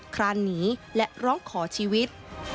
คลานหนีและร้องขอชีวิต